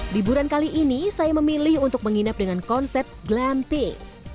liburan kali ini saya memilih untuk menginap dengan konsep glamping